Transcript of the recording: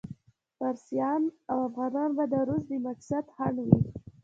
فارسیان او افغانان به د روس د مقصد خنډ وي.